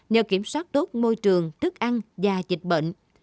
nhờ kiểm soát tốt môi trường thức ăn và dịch bệnh